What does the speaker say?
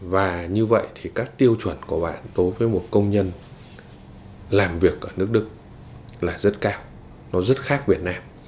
và như vậy thì các tiêu chuẩn của bạn đối với một công nhân làm việc ở nước đức là rất cao nó rất khác việt nam